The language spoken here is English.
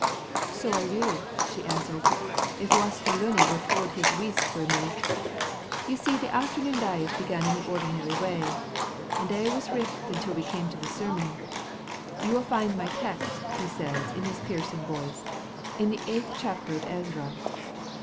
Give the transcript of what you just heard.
"So I will," she answered, "if Waster Lunny would haud his wheest for a minute. You see the afternoon diet began in the ordinary way, and a' was richt until we came to the sermon. 'You will find my text,' he says, in his piercing voice, 'in the eighth chapter of Ezra.'"